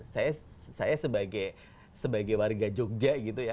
saya saya sebagai sebagai warga jogja gitu ya